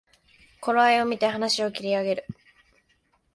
頃合いをみて話を切り上げる